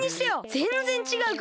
ぜんぜんちがうから。